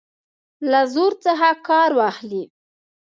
له زور څخه کار واخلي.